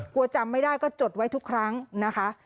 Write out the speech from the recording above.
จำไม่ได้ก็จดไว้ทุกครั้งนะคะ